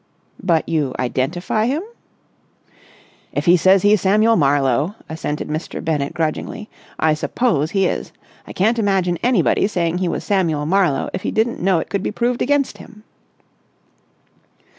"But you identify him?" "If he says he's Samuel Marlowe," assented Mr. Bennett grudgingly, "I suppose he is. I can't imagine anybody saying he was Samuel Marlowe if he didn't know it could be proved against him."